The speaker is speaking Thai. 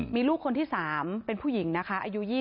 มีลูกคนที่๓เป็นผู้หญิงนะคะอายุ๒๐